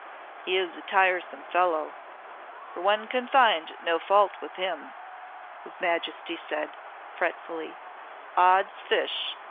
"He is a tiresome fellow, for one can find no fault with him," his Majesty said, fretfully. "Odd's fish!